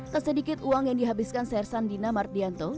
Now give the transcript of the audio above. tak sedikit uang yang dihabiskan sersan dina mardianto